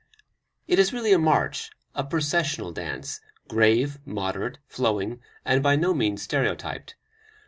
It is really a march, a processional dance, grave, moderate, flowing, and by no means stereotyped.